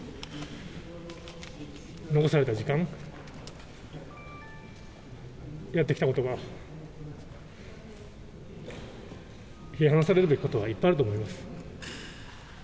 残された時間、やってきたことが、批判されるべきことはいっぱいあると思います。